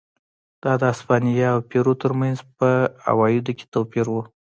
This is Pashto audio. دا د هسپانیا او پیرو ترمنځ په عوایدو کې توپیر و.